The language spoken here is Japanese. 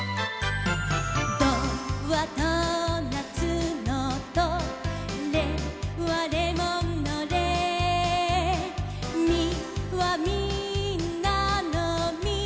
「ドはドーナツのドレはレモンのレ」「ミはみんなのミ」